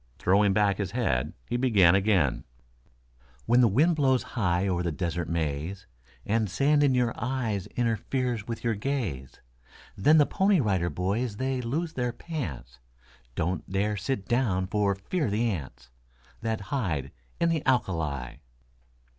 Throwing back his head he began again: When the wind blows high o'er the Desert Maze, And sand in your eyes interferes with your gaze, Then the Pony Rider Boys they lose their pants; Don't dare sit down for fear of the ants That hide in the alka li.